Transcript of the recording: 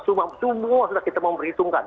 semua sudah kita memperhitungkan